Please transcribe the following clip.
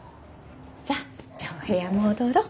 さあじゃあお部屋戻ろう。